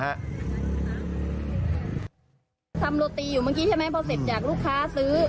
ทำโรตีอยู่เมื่อกี้ใช่ไหมพอเสร็จจากลูกค้าซื้อ